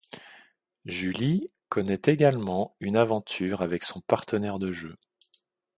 Julie connait également une aventure avec son partenaire de jeu.